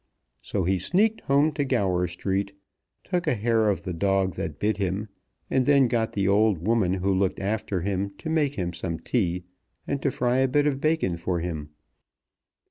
So he sneaked home to Gower Street, took a hair of the dog that bit him, and then got the old woman who looked after him to make him some tea and to fry a bit of bacon for him.